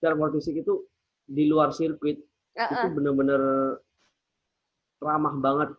car more to sick itu di luar sirkuit itu bener bener ramah banget